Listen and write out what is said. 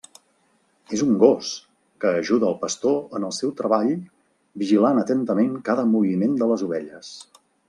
És un gos, que ajuda el pastor en el seu treball vigilant atentament cada moviment de les ovelles.